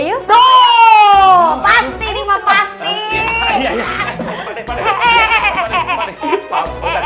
yuk pasti ini mau pasti ya